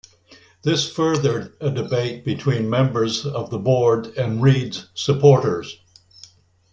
This furthered a debate between members of the board and Reed's supporters.